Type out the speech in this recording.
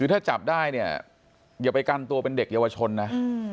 ถ้าจับได้เนี่ยอย่าไปกันตัวเป็นเด็กเยาวชนนะ